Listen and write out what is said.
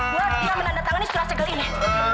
buat kita menandatangani surat segel ini